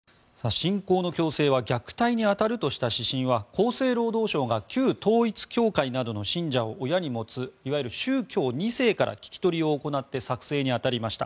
信仰の強制は虐待に当たるとした指針は厚生労働省が旧統一教会などの信者を親に持ついわゆる宗教２世から聞き取りを行って作成に当たりました。